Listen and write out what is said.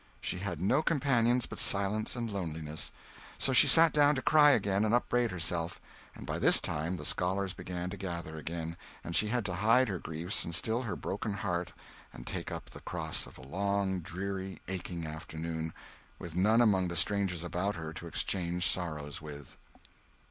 She had no companions but silence and loneliness. So she sat down to cry again and upbraid herself; and by this time the scholars began to gather again, and she had to hide her griefs and still her broken heart and take up the cross of a long, dreary, aching afternoon, with none among the strangers about her to exchange sorrows with.